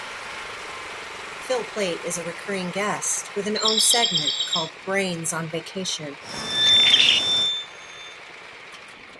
Phil Plait is a recurring guest, with an own segment called "Brains on Vacation".